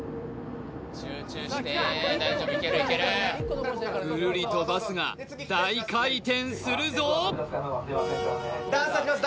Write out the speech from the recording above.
集中して大丈夫いけるいけるグルリとバスが大回転するぞ段差きます